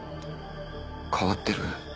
変わってる。